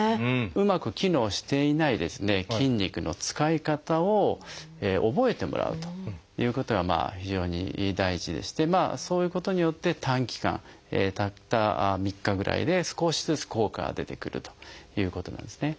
うまく機能していない筋肉の使い方を覚えてもらうということが非常に大事でしてそういうことによって短期間たった３日ぐらいで少しずつ効果が出てくるということなんですね。